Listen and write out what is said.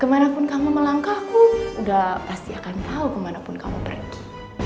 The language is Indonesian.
kemana pun kamu melangkah aku sudah pasti akan tahu kemana pun kamu pergi